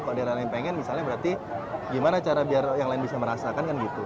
kalau daerah lain pengen misalnya berarti gimana cara biar yang lain bisa merasakan kan gitu